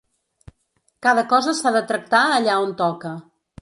Cada cosa s’ha de tractar allà on toca.